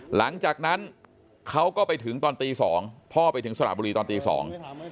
หลังจากนั้นเขาก็ไปถึงตอนตีสองพ่อไปถึงสระบุรีตอนตีสอง